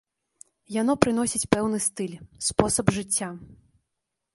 Яно прыносіць пэўны стыль, спосаб жыцця.